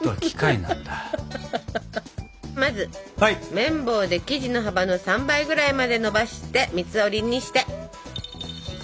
めん棒で生地の幅の３倍ぐらいまでのばして三つ折りにして。